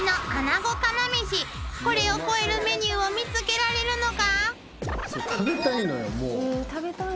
［これを超えるメニューを見つけられるのか？］